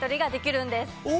お！